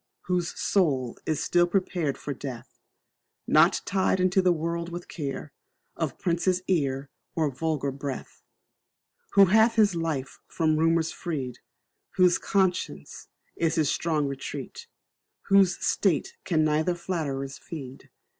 Whose soul is still prepared for death Not tied unto the world with care Of prince's ear, or vulgar breath: Who hath his life from rumours freed, Whose conscience is his strong retreat Whose state can neither flatterers feed.